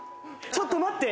ちょっと待って。